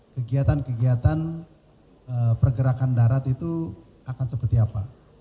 kegiatan kegiatan pergerakan darat itu akan seperti apa